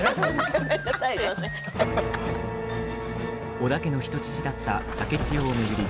織田家の人質だった竹千代を巡り